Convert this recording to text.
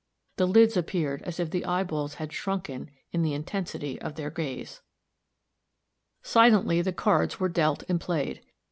The lids appeared as if the eyeballs had shrunken in the intensity of their gaze. Silently the cards were dealt and played.